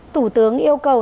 thủ tướng yêu cầu